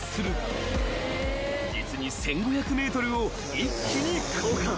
［実に１，５００ｍを一気に降下］